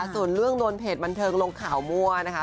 ส่วนเรื่องโดนเพจบันเทิงลงข่าวมั่วนะคะ